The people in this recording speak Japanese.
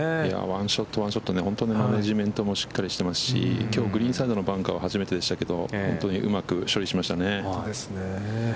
ワンショット、ワンショット、本当にマネジメントもしっかりしてますし、きょう、グリーンサイドのバンカーは初めてでしたけど、本当にうまく処理しましたね。